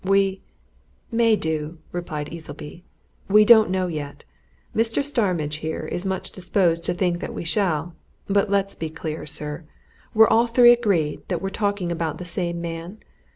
"We may do," replied Easleby. "We don't know yet. Mr. Starmidge here is much disposed to think that we shall. But let's be clear, sir. We're all three agreed that we're talking about the same man?